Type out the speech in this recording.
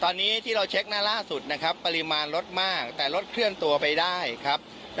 ตอนนี้ที่เราเช็คหน้าล่าสุดนะครับปริมาณลดมากแต่รถเคลื่อนตัวไปได้ครับ